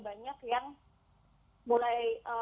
banyak yang mulai